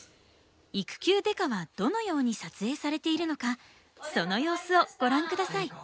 「育休刑事」はどのように撮影されているのかその様子をご覧下さい。